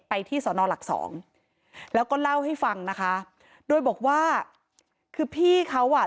ที่สอนอหลักสองแล้วก็เล่าให้ฟังนะคะโดยบอกว่าคือพี่เขาอ่ะ